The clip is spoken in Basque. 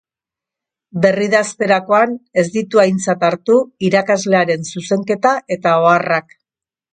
Berridazterakoan ez ditu aintzat hartu irakaslearen zuzenketa eta oharrak.